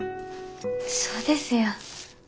そうですよ。